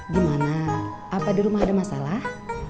gimana apa di rumah ada masalah